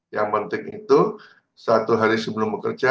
yang penting itu satu hari sebelum bekerja